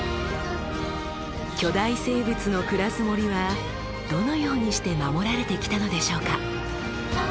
巨大生物の暮らす森はどのようにして守られてきたのでしょうか？